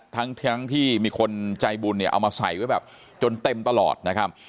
ทั้งที่มีคนใจบุญเนี่ยเอามาใส่ไว้แบบจนเต็มตลอดนะครับ